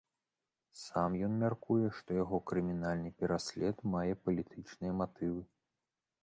Сам ён мяркуе, што яго крымінальны пераслед мае палітычныя матывы.